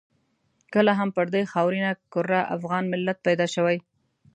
کله هم پر دې خاورینه کره افغان ملت پیدا شوی.